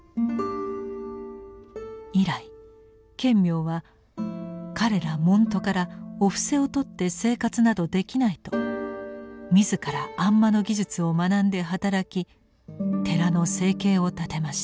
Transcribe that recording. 以来顕明は彼ら門徒からお布施を取って生活などできないと自ら按摩の技術を学んで働き寺の生計を立てました。